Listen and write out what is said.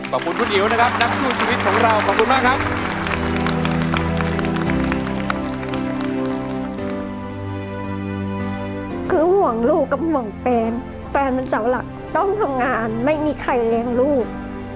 คือห่วงลูกกับห่วงแฟนแฟนเป็นสาวหลักต้องทำงานไม่มีใครเลี้ยงลูก